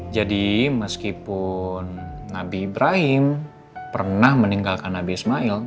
jadi meskipun nabi ibrahim pernah meninggalkan nabi ismail